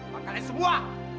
mak kalian semua